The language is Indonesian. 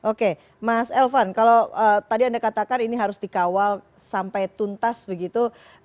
oke mas elvan kalau tadi anda katakan ini harus dikawal sampai tuntas begitu